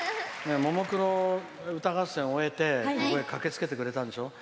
「ももいろ歌合戦」終えてここへ駆けつけてくれたんでしょ。